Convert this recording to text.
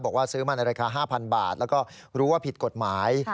บอกว่าซื้อมาในราคา๕๐๐บาทแล้วก็รู้ว่าผิดกฎหมาย